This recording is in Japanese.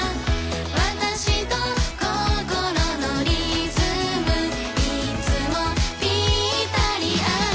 「わたしと心のリズムいつもぴったり合うね」